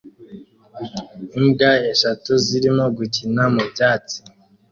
Imbwa eshatu zirimo gukina mu byatsi